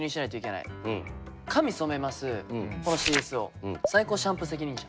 このＣＳＯシャンプー責任者！？